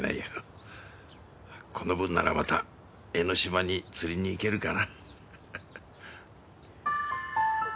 この分ならまた江の島に釣りに行けるかなハハッ